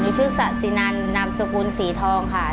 ชื่อสะสินันนามสกุลศรีทองค่ะ